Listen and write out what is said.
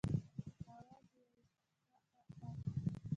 آواز يې واېست عاعاعا.